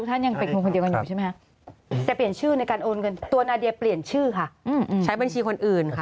แต่เปลี่ยนชื่อในการโอนเงินตัวนาเดียเปลี่ยนชื่อค่ะใช้บัญชีคนอื่นค่ะ